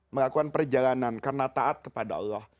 melakukan perjalanan karena taat kepada allah